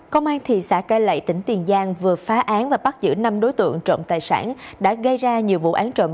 công an thị xã cai lậy tỉnh tiền giang vừa phá án và bắt giữ năm đối tượng trộm tài sản đã gây ra nhiều vụ án trộm